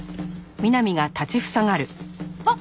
あっ。